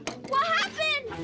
apa yang terjadi